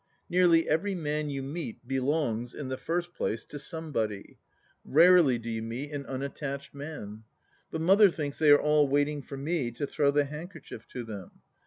Nearly every man you meet belongs, in the first place, to somebody. ... Rarely do you meet an un attached man. But Mother thinks they are all waiting for me to throw the handkerchief to them.